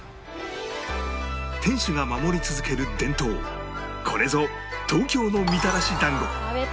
店主が守り続ける伝統これぞ東京のみたらし団子